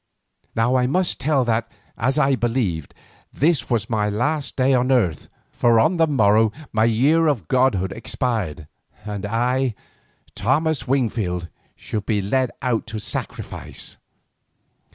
Now I must tell that, as I believed, this was my last day on earth, for on the morrow my year of godhead expired, and I, Thomas Wingfield, should be led out to sacrifice.